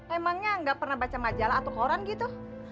emangnya nggak pernah baca majalah atau koran gitu